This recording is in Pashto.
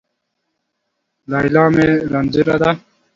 ليلا مې رنځونه ده